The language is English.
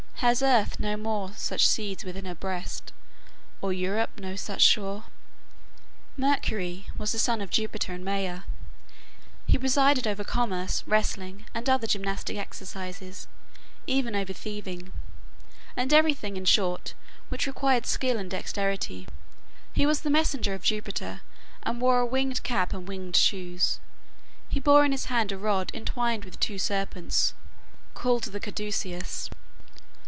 Has earth no more Such seeds within her breast, or Europe no such shore?" Mercury (Hermes) was the son of Jupiter and Maia. He presided over commerce, wrestling, and other gymnastic exercises, even over thieving, and everything, in short, which required skill and dexterity. He was the messenger of Jupiter, and wore a winged cap and winged shoes. He bore in his hand a rod entwined with two serpents, called the caduceus.